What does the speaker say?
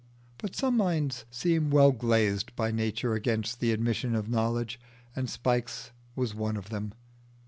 But some minds seem well glazed by nature against the admission of knowledge, and Spike's was one of them.